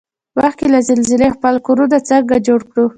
مخکې له زلزلې خپل کورنه څنګه جوړ کوړو؟